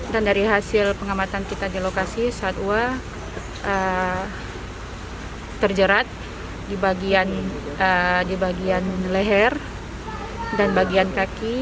dan dari hasil pengamatan kita di lokasi satwa terjerat di bagian leher dan bagian kaki